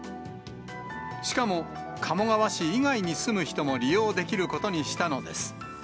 しかも、鴨川市以外に住む人も利用できることにしたのです。